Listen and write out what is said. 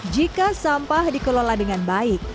jika sampah dikelola dengan baik